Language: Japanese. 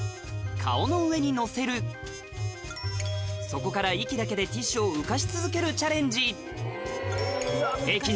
そこから息だけでティッシュを浮かし続けるチャレンジ